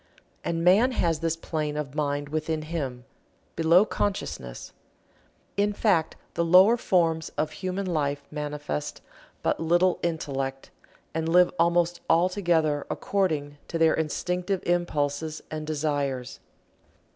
And man has this plane of mind within him, below consciousness. In fact the lower forms of human life manifest but little Intellect, and live almost altogether according to their Instinctive impulses and desires.